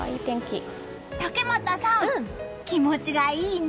竹俣さん、気持ちがいいね！